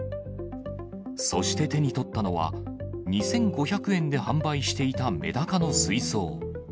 そして手に取ったのは、２５００円で販売していたメダカの水槽。